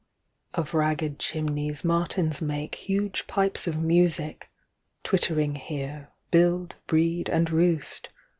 3. Of ragged chimneys martins make Huge pipes of music; twittering here Build, breed, and roost.